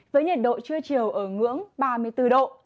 với nhiệt độ trưa chiều ở ngưỡng ba mươi bốn độ